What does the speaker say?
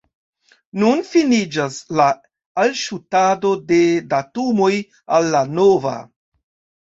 Nun finiĝas la alŝutado de datumoj al la nova.